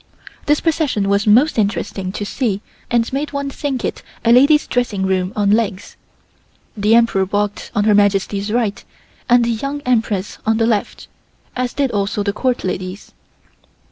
This procession was most interesting to see and made one think it a lady's dressing room on legs. The Emperor walked on Her Majesty's right and the Young Empress on the left, as did also the Court ladies.